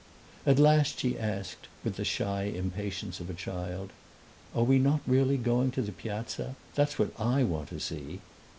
At last she asked, with the shy impatience of a child, "Are we not really going to the Piazza? That's what I want to see!"